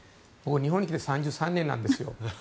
日本に来て３３年なんですよ。